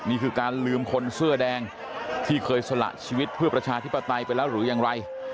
นี่คือการลืมคนเสื้อแดงที่เคยสละชีวิตเพื่อประชาธิปไตยไปแล้วหรือยังไร